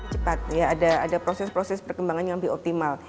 cepat ya ada proses proses perkembangan yang lebih optimal